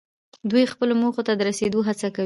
دوی خپلو موخو ته د رسیدو هڅه کوي.